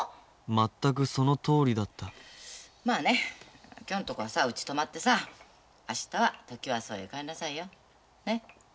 全くそのとおりだったまあね今日のとこはさうち泊まってさ明日はトキワ荘へ帰んなさいよ。ね？